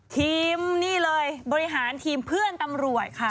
ทีมนี่เลยบริหารทีมเพื่อนตำรวจค่ะ